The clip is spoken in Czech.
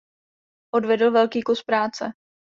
Odvedl velký kus práce.